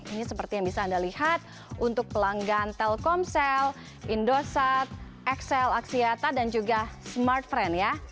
ini seperti yang bisa anda lihat untuk pelanggan telkomsel indosat excel aksiata dan juga smartfriend ya